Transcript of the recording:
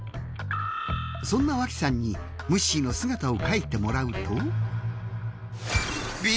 そんなわきさんにムッシーの姿を描いてもらうと。